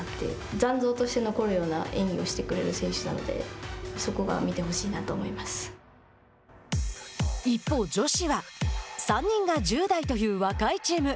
残像として残るような演技をしてくれる選手なので、そこが見てほ一方女子は３人が１０代という若いチーム。